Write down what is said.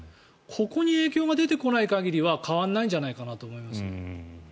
ここに影響が出てこない限りは変わらないんじゃないかなと。